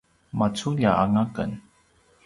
maculja anga ken